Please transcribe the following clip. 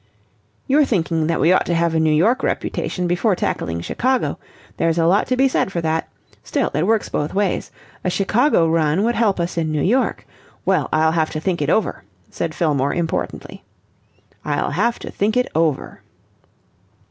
"You're thinking that we ought to have a New York reputation before tackling Chicago. There's a lot to be said for that. Still, it works both ways. A Chicago run would help us in New York. Well, I'll have to think it over," said Fillmore, importantly, "I'll have to think it over."